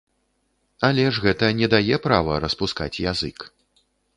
Але ж гэта не дае права распускаць язык.